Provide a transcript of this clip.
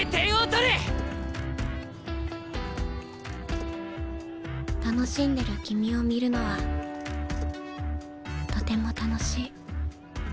心の声楽しんでる君を見るのはとても楽しい。